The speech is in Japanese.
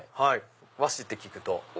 和紙って聞くと。